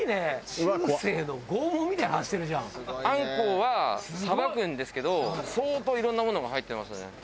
アンコウはさばくんですけど相当いろんなものが入ってますね。